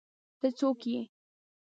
ته څوک ېې